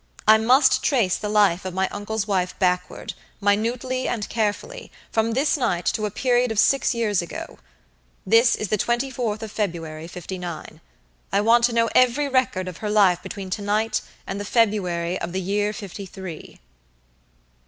I must trace the life of my uncle's wife backward, minutely and carefully, from this night to a period of six years ago. This is the twenty fourth of February, fifty nine. I want to know every record of her life between to night and the February of the year fifty three."